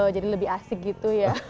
jadi lebih asik gitu ya